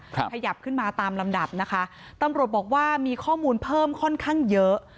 ขยับขึ้นมาตามลำดับนะคะตำรวจบอกว่ามีข้อมูลเพิ่มค่อนข้างเยอะ